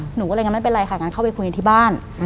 หนูก็เลยงั้นไม่เป็นไรค่ะงั้นเข้าไปคุยกันที่บ้าน